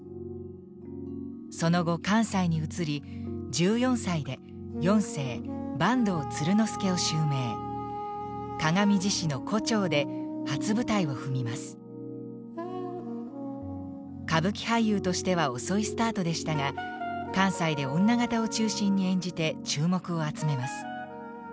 その後関西に移り歌舞伎俳優としては遅いスタートでしたが関西で女形を中心に演じて注目を集めます。